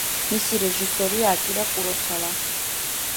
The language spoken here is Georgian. მისი რეჟისორია აკირა კუროსავა.